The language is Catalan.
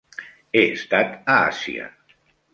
He estat a Àsia.